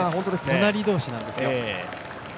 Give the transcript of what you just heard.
隣同士なんですよ。